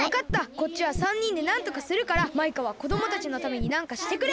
こっちは３にんでなんとかするからマイカはこどもたちのためになんかしてくれ！